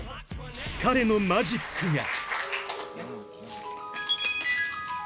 ［彼のマジックが］